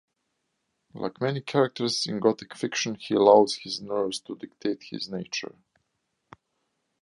Like many characters in Gothic fiction, he allows his nerves to dictate his nature.